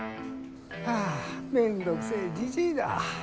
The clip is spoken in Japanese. はあめんどくせえじじいだ。